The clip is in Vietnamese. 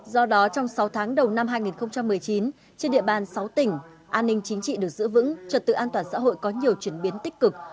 do đó trong sáu tháng đầu năm hai nghìn một mươi chín trên địa bàn sáu tỉnh an ninh chính trị được giữ vững trật tự an toàn xã hội có nhiều chuyển biến tích cực